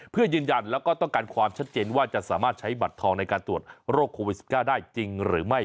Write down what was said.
เพื่อยืนยันแล้วก็ต้องการความชัดเจนว่าจะสามารถใช้บัตรทองในการตรวจโรคโควิด๑๙ได้จริงหรือไม่